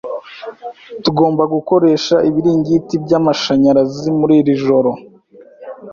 Tugomba gukoresha ibiringiti byamashanyarazi muri iri joro.